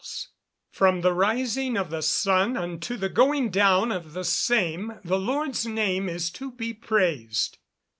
[Verse: "From the rising of the sun, unto the going down of the same, the Lord's name is to be praised."